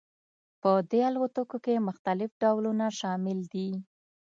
په دې الوتکو کې مختلف ډولونه شامل دي